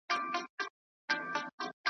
چي زړه به کله در سړیږی د اسمان وطنه .